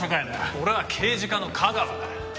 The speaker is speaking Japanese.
俺は刑事課の架川だ。